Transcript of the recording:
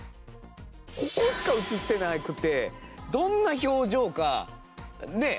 ここしか映ってなくてどんな表情かねえ